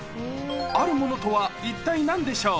あるものとは一体なんでしょう？